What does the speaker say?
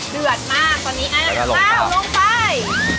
เดือดมากตอนนี้อ้าวลงไปตอนนี้ละก็ลงไป